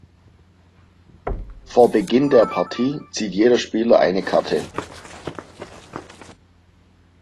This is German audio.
Vor Beginn der Partie zieht jeder Spieler eine Karte.